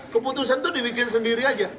keputusan itu dibikin sendiri aja